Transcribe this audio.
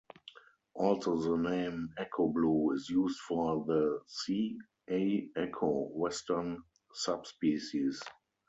Also the name echo blue is used for the "C. a. echo" western subspecies.